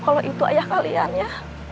kalau itu ayah kalian ya